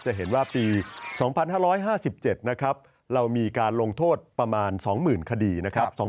จะเห็นว่าปี๒๕๕๗นะครับเรามีการลงโทษประมาณ๒๐๐๐คดีนะครับ